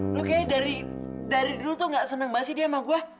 lo kayaknya dari dulu tuh nggak seneng bahas dia sama gue